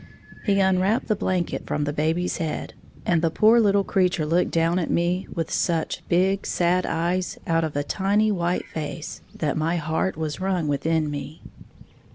He unwrapped the blanket from the baby's head, and the poor little creature looked down at me with such big, sad eyes out of a tiny white face, that my heart was wrung within me.